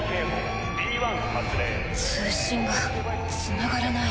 通信がつながらない。